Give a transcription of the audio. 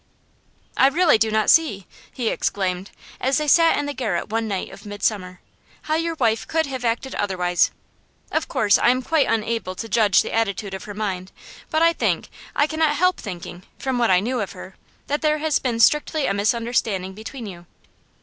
'I really do not see,' he exclaimed, as they sat in the garret one night of midsummer, 'how your wife could have acted otherwise. Of course I am quite unable to judge the attitude of her mind, but I think, I can't help thinking, from what I knew of her, that there has been strictly a misunderstanding between you.